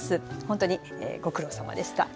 本当にご苦労さまでした。